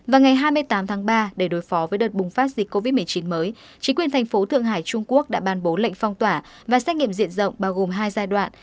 vào ngày hai mươi tám tháng ba để đối phó với đợt bùng phát dịch covid một mươi chín mới chính quyền thành phố thượng hải trung quốc đã ban bố lệnh phong tỏa và xét nghiệm diện rộng bao gồm hai giai đoạn